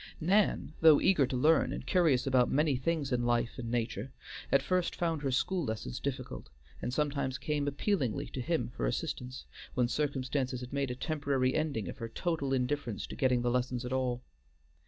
Nan, though eager to learn, and curious about many things in life and nature, at first found her school lessons difficult, and sometimes came appealingly to him for assistance, when circumstances had made a temporary ending of her total indifference to getting the lessons at all.